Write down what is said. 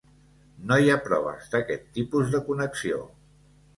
No hi ha proves d'aquest tipus de connexió.